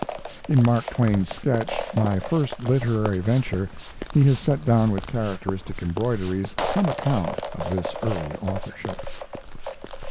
[In Mark Twain's sketch "My First Literary Venture" he has set down with characteristic embroideries some account of this early authorship.